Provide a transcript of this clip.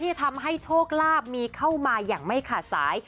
จะทำให้โชคลาภมีเข้ามาอย่างไม่ขาดสาย